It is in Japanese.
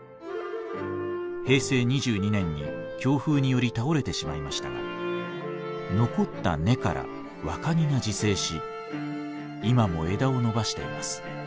平成２２年に強風により倒れてしまいましたが残った根から若木が自生し今も枝を伸ばしています。